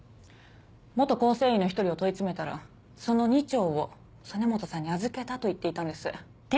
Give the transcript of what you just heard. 構成員の１人を問い詰めたらその２丁を曽根本さんに預けたと言っていたんです。